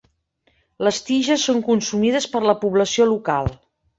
Les tiges són consumides per la població local.